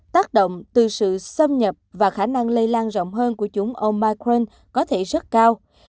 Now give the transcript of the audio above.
tác động từ sự xâm nhập và khả năng lây lan rộng hơn của chúng omicren có thể rất cao